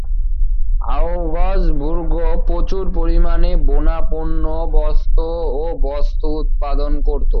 আউগ্সবুর্গ প্রচুর পরিমাণে বোনা পণ্য, বস্ত্র ও বস্ত্র উৎপাদন করত।